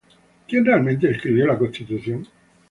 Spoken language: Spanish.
¿Quién realmente escribió la Constitución?